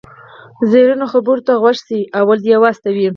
زرینو خبرو ته غوږ شئ، لومړی دې و استوئ.